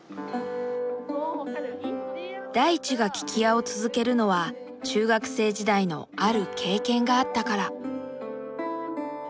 ダイチが聞き屋を続けるのは中学生時代のある経験があったから。